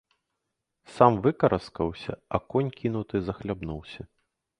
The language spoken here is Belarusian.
Сам выкараскаўся, а конь, кінуты, захлябнуўся.